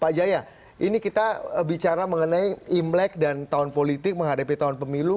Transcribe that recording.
pak jaya ini kita bicara mengenai imlek dan tahun politik menghadapi tahun pemilu